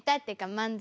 漫才。